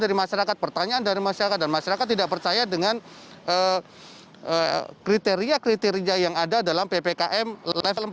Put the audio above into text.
dari masyarakat pertanyaan dari masyarakat dan masyarakat tidak percaya dengan kriteria kriteria yang ada dalam ppkm level empat